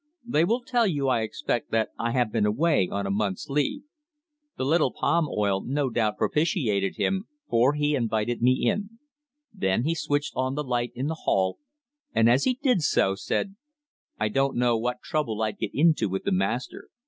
They will tell you, I expect, that I have been away on a month's leave." The little palm oil no doubt propitiated him, for he invited me in. Then he switched on the light in the hall, and as he did so, said: "I don't know what trouble I'd get into with the master.